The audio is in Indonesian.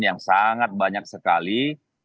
yang sangat banyak sekali